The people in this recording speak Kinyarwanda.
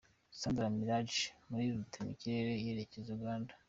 Sandra Miraj muri rutema ikirere yerekeza Uganda.